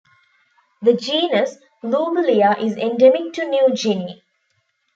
The genus "Lobulia" is endemic to New Guinea.